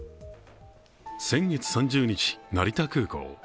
先月３０日、成田空港。